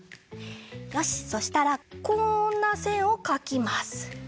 よしそしたらこんなせんをかきます。